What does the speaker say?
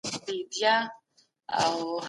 که ټولنیز علوم پیاوړي سي ټولنه جوړیږي.